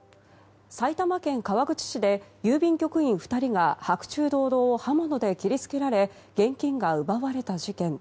埼玉県川口市で郵便局員２人が白昼堂々刃物で切り付けられ現金が奪われた事件。